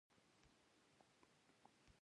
چې دلته خو خلک د څښلو اوبو پسې ورک ګرځي